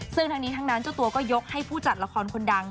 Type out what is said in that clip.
ซึ่งทั้งนี้ทั้งนั้นเจ้าตัวก็ยกให้ผู้จัดละครคนดัง